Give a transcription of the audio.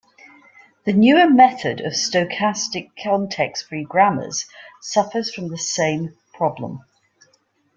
The newer method of stochastic context-free grammars suffers from the same problem.